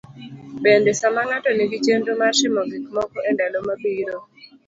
Bende, sama ng'ato nigi chenro mar timo gikmoko e ndalo mabiro.